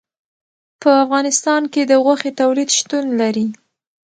په افغانستان کې د غوښې تولید شتون لري.